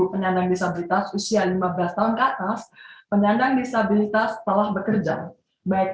dua ratus dua puluh lima penyandang disabilitas usia lima belas tahun ke atas penyandang disabilitas telah bekerja baik